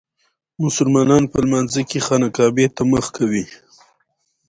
آمر اعطا یو صلاحیت لرونکی کس دی.